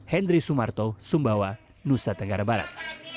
hendri sumarto sumbawa nusa tenggara barat